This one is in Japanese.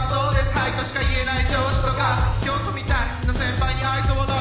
ハイ！」としか言えない上司とか教祖みたいな先輩に愛想笑い